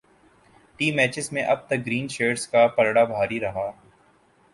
T matches میں اب تک گرین شرٹس کا پلڑا بھاری رہا